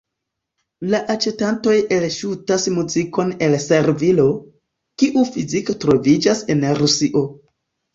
La aĉetantoj elŝutas muzikon el servilo, kiu fizike troviĝas en Rusio.